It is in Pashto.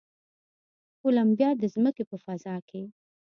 کولمبیا د ځمکې په فضا کې